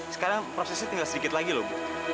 sekarang prosesnya tinggal sedikit lagi loh bu